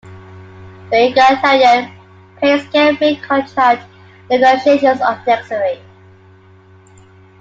The egalitarian pay scale made contract negotiations unnecessary.